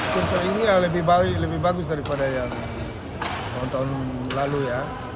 ketua ini lebih bagus daripada tahun tahun lalu ya